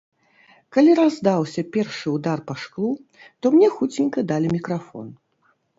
Калі раздаўся першы ўдар па шклу, то мне хуценька далі мікрафон.